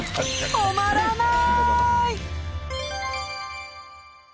止まらない！